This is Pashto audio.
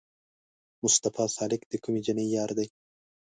مصطفی سالک د کومې جینۍ یار دی؟